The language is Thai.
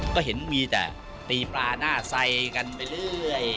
ก็เห็นมีแต่ตีปลาหน้าใส่กันไปเรื่อย